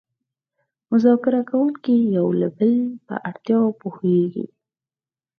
مذاکره کوونکي د یو بل په اړتیاوو پوهیږي